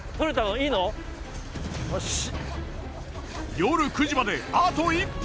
夜９時まであと１分。